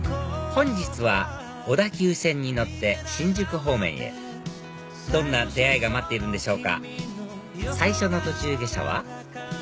本日は小田急線に乗って新宿方面へどんな出会いが待っているんでしょうか最初の途中下車は？